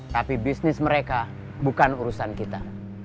tapi bisnis mereka bukan urusan kita